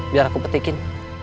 biar aku petikin